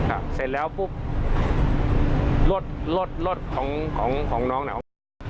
เสร็จแล้วปุ๊บรถรถรถของของของน้องน่ะเขา